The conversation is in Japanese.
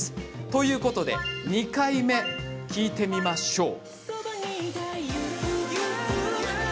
ということで２回目聴いてみましょう。